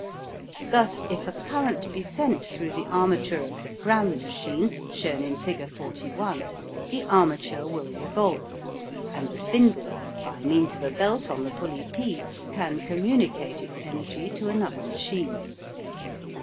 Thus, if a current be sent through the armature of the Gramme machine, shown in figure 41, the armature will revolve, and the spindle, by means of a belt on the pulley P, can communicate its energy to another machine.